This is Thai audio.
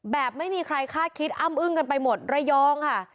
แบบไม่มีใครคาดคิดอ้ำอึ้งกันไปหมดระยองค่ะ